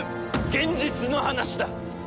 現実の話だ！